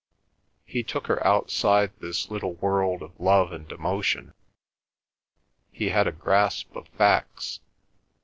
He took her outside this little world of love and emotion. He had a grasp of facts.